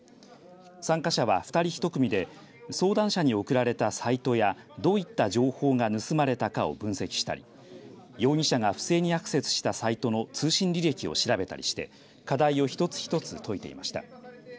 参加者は、２人１組で相談者に送られたサイトやどういった情報が盗まれたかを分析したり容疑者が不正にアクセスしたサイトの通信履歴を調べたりして課題を一つ一つ解いていました。